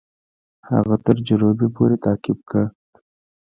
هغه تر جروبي پوري تعقیب کړ.